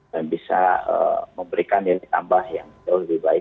dan bisa memberikan nilai tambah yang jauh lebih baik